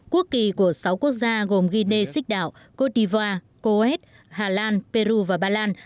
quốc kỳ của sáu quốc gia gồm guinnessích đạo cô đi vòa coet hà lan peru và bà lan